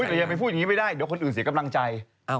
นี่โดยยังไม่พูดไงไม่ด้อยเดี๋ยวคนอื่นเสียกำลังใจ